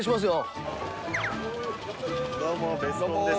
どうもベスコンです